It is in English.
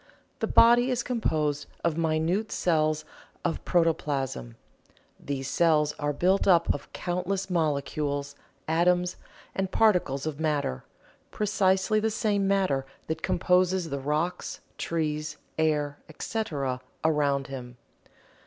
The body is composed of minute cells of protoplasm. These cells are built up of countless molecules, atoms and particles of matter precisely the same matter that composes the rocks, trees, air, etc., around him.